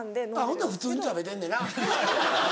ほな普通に食べてんねな。